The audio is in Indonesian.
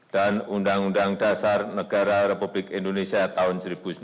dan undang undang dasar negara republik indonesia tahun seribu sembilan ratus empat puluh lima